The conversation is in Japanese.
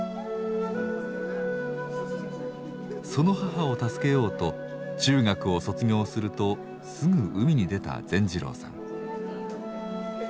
その母を助けようと中学を卒業するとすぐ海に出た善次郎さん。